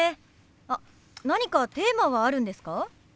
あっ何かテーマはあるんですか？